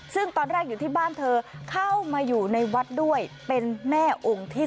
ซึ่งตอนแรกอยู่ที่บ้านเธอเข้ามาอยู่ในวัดด้วยเป็นแม่องค์ที่๓